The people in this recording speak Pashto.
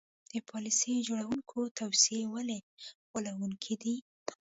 د پالیسي جوړوونکو توصیې ولې غولوونکې دي.